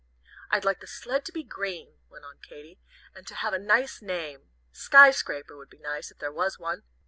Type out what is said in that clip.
"I'd like the sled to be green," went on Katy, "and to have a nice name. Sky Scraper would be nice, if there was one.